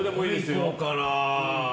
何にしようかな。